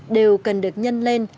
đều cần được nhân lên